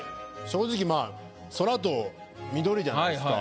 正直まあ空と緑じゃないですか。